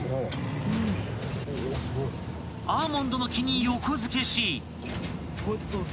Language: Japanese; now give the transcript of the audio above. ［アーモンドの木に横付けし］